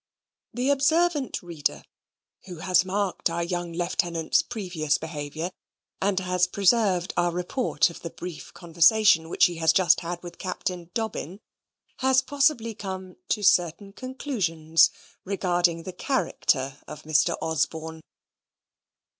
The observant reader, who has marked our young Lieutenant's previous behaviour, and has preserved our report of the brief conversation which he has just had with Captain Dobbin, has possibly come to certain conclusions regarding the character of Mr. Osborne.